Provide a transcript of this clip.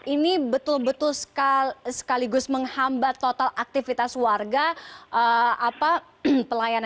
ini betul betul sekaligus menghambat total aktivitasnya